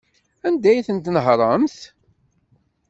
Anda ay tent-tnehṛemt?